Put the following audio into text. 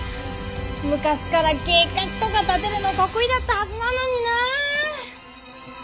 昔から計画とか立てるの得意だったはずなのになあ。